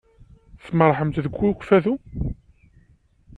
Tmerrḥemt deg Ukfadu?